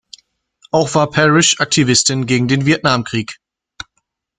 Auch war Parrish Aktivistin gegen den Vietnamkrieg.